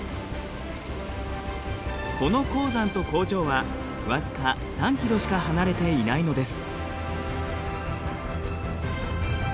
この鉱山と工場は僅か３ｋｍしか離れていないのです。